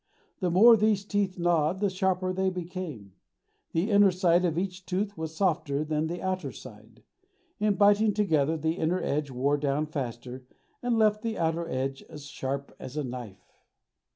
The more these teeth gnawed the sharper they became. The inner side of each tooth was softer than the outer side. In biting together, the inner edge wore down faster, and left the outer edge as sharp as a knife.